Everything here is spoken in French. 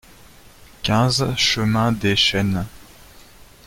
quinze chemin Dès Chênes